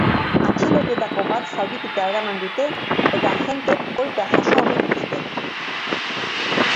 Atxilotuetako bat zaurituta eraman dute eta agenteek kolpeak jaso omen dituzte.